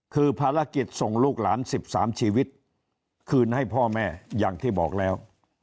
คือภารกิจส่งลูกหลาน๑๓ชีวิตคืนให้พ่อแม่อย่างที่บอกแล้ว